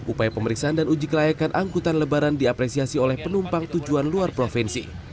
upaya pemeriksaan dan uji kelayakan angkutan lebaran diapresiasi oleh penumpang tujuan luar provinsi